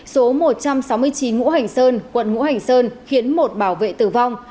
số một trăm sáu mươi chín ngũ hành sơn quận ngũ hành sơn khiến một bảo vệ tử vong